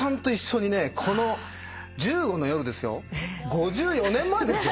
『１５の夜』ですよ５４年前ですよ？